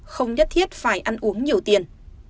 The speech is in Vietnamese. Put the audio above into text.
không nhất thiết phải ăn uống nhiều tiền